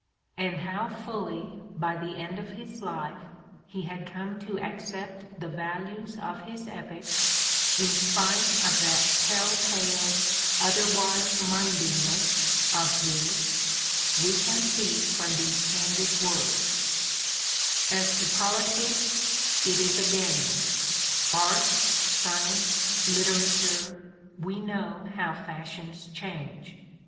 And how fully, by the end of his life, he had come to accept the values of his epoch — in spite of that tell tale '' otherwise mindedness" of his — we can see from these candid words :" As to politics, it is a game ; art, science, litera ture, we know how fashions change!